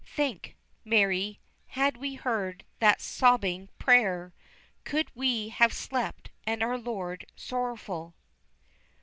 Think, Mary, had we heard that sobbing prayer Could we have slept and our Lord sorrowful?